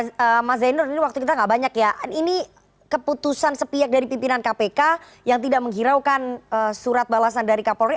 oke mas zainur ini waktu kita nggak banyak ya ini keputusan sepiak dari pimpinan kpk yang tidak menghiraukan surat balasan dari kapolri